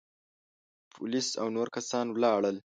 پوليس او نور کسان ولاړل.